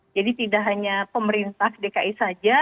jadi tidak hanya pemerintah dki saja